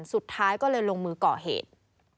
สุดท้ายก็เลยลงมือก่อเหตุ